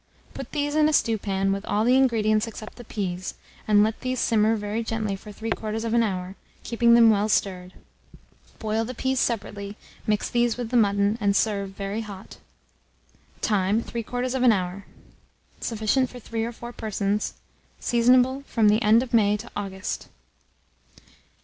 Put these in a stewpan, with all the ingredients except the peas, and let these simmer very gently for 3/4 hour, keeping them well stirred. Boil the peas separately, mix these with the mutton, and serve very hot. Time. 3/4 hour. Sufficient for 3 or 4 persons. Seasonable from the end of May to August.